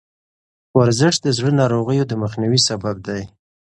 ورزش د زړه ناروغیو د مخنیوي سبب دی.